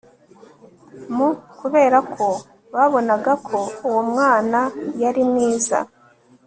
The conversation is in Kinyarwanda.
m kubera ko babonaga ko uwo mwana yari mwiza